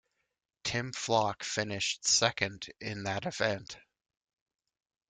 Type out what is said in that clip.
Tim Flock finished second in that event.